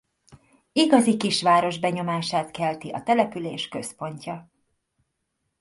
Igazi kisváros benyomását kelti a település központja.